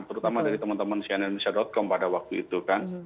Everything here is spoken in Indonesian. terutama dari teman teman cnn indonesia com pada waktu itu kan